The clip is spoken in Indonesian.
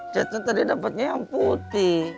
catnya tadi dapetnya yang putih